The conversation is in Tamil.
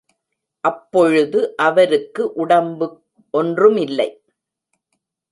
அப்பொழுது அவருக்கு உடம்பு ஒன்றுமில்லை.